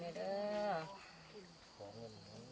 จากฝั่งภูมิธรรมฝั่งภูมิธรรม